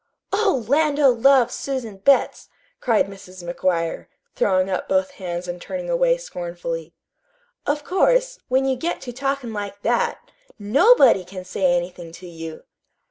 "Oh, land o' love, Susan Betts!" cried Mrs. McGuire, throwing up both hands and turning away scornfully. "Of course, when you get to talkin' like that, NOBODY can say anything to you!